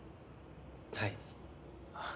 はい。